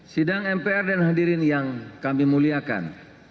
sidang mpr dan hadirin yang kami muliakan